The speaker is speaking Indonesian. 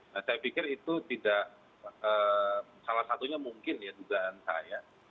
nah saya pikir itu tidak salah satunya mungkin ya dugaan saya